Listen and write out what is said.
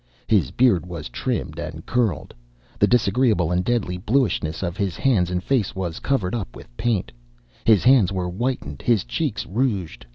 His beard was trimmed and curled. The disagreeable and deadly bluishness of his hands and face was covered up with paint; his hands were whitened, his cheeks rouged.